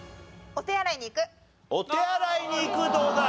お手洗いに行くどうだ？